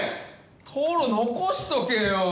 トロ残しとけよ！